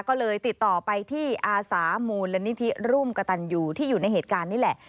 ก็เลยติดต่อไปที่อาสามูลนิธิร่วมกระตันอยู่ที่อยู่ในเหตุการณ์นี่แหละ